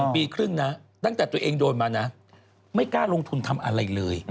ปีครึ่งนะตั้งแต่ตัวเองโดนมานะไม่กล้าลงทุนทำอะไรเลย